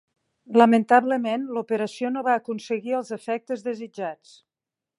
Lamentablement, l'operació no va aconseguir els efectes desitjats.